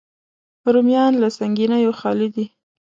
رومیان له سنګینیو خالي دي